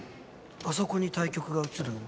あそこに対局が映るの？